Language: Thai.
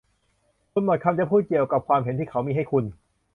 คุณหมดคำจะพูดเกี่ยวกับความเห็นที่เขามีให้คุณ